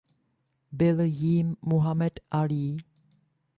Byl jím Muhammad Alí.